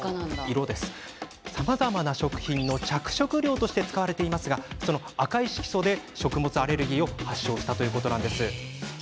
さまざまな食品の着色料として使われていますがその赤い色素で食物アレルギーを発症したのです。